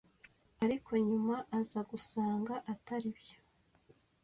ariko nyuma aza gusanga atari byo